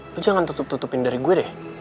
gue jangan tutup tutupin dari gue deh